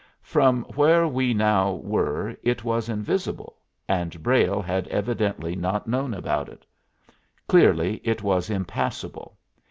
From where we now were it was invisible, and Brayle had evidently not known about it. Clearly, it was impassable.